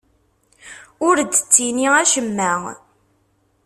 Ur d-ttini acemma.